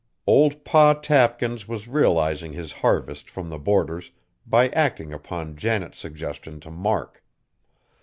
Old Pa Tapkins was realizing his harvest from the boarders by acting upon Janet's suggestion to Mark.